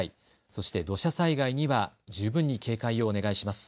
そして土砂災害には十分に警戒をお願いします。